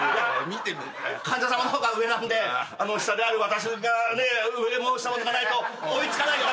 患者さまの方が上なんで下である私が上も下も脱がないと追い付かないかと思うんで。